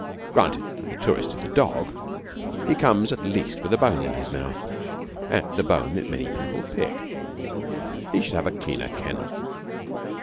Granted that the tourist is a dog, he comes at least with a bone in his mouth, and a bone that many people pick. He should have a cleaner kennel.